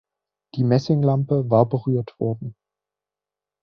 Die Messinglampe war berührt worden.